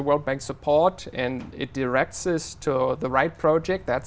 một người thân thật rất thật